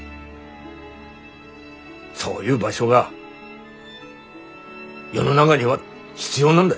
そういう場所が世の中には必要なんだ。